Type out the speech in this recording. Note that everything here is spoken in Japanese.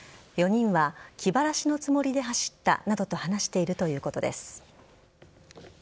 ４人は気晴らしのつもりで走ったなどと話しているということです。